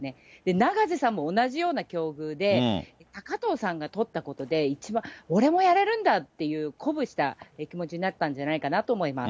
永瀬さんも同じような境遇で、高藤さんがとったことで、一番、俺もやれるんだっていう、鼓舞した気持ちになったんじゃないかなと思います。